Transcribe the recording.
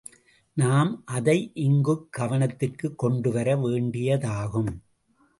நாம் அதை இங்குக் கவனத்திற்குக் கொண்டுவர வேண்டியதாகும்.